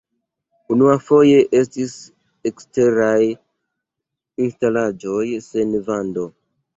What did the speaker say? Unuafoje estis eksteraj instalaĵoj sen vando.